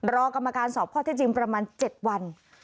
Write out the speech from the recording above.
รอกรรมการสอบข้อที่จริงประมาณ๗วัน